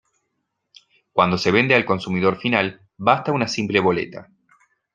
Cuando se vende al consumidor final, basta una simple boleta.